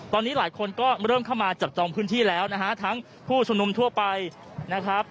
ตอนนี้หลายคนก็เริ่มเข้ามาจับจองพื้นที่แล้วนะฮะทั้งผู้ชุมนุมทั่วไปนะครับ